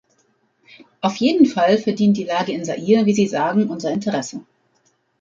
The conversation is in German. Auf jeden Fall verdient die Lage in Zaire, wie Sie sagen, unser Interesse.